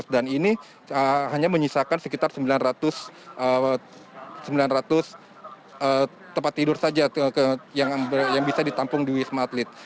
dan ini hanya menyisakan sekitar sembilan ratus tempat tidur saja yang bisa ditampung di wisma atlet